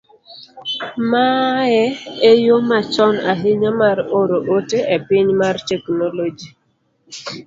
mae e yo machon ahinya mar oro ote e piny mar teknoloji